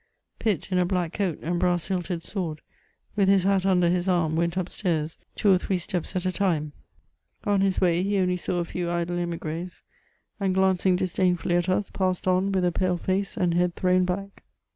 Pitt, in a black coat, and brass hilted sword, with his hat under his arm, went up stairs, two or three steps at a time ; on his way he only saw a few idle emigres^ and glancing disdainfully at us, passed on with a pale face and head thrown back.